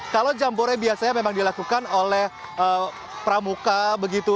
kalau jambore biasanya memang dilakukan oleh pramuka begitu